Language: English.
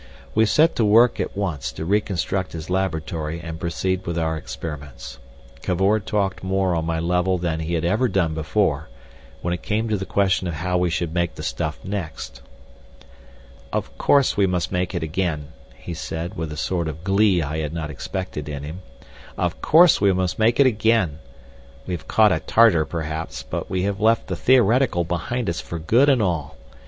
We set to work at once to reconstruct his laboratory and proceed with our experiments. Cavor talked more on my level than he had ever done before, when it came to the question of how we should make the stuff next. "Of course we must make it again," he said, with a sort of glee I had not expected in him, "of course we must make it again. We have caught a Tartar, perhaps, but we have left the theoretical behind us for good and all.